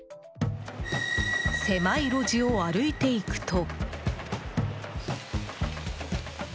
狭い路地を歩いていくと。